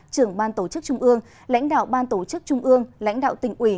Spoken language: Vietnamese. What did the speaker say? trưởng ban tổ chức trung ương lãnh đạo ban tổ chức trung ương lãnh đạo tỉnh ủy